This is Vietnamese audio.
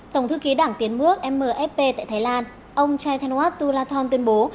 tổng thư ký đảng tiến bước mfp tại thái lan ông chaitenwat tulaton tuyên bố